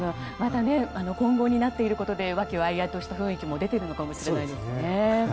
混合になっていることで和気あいあいとした雰囲気も出ているのかもしれないですね。